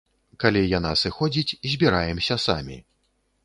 Калі яна сыходзіць, збіраемся самі.